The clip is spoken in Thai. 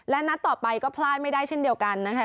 และนัดต่อไปก็พลาดไม่ได้เช่นเดียวกันนะคะ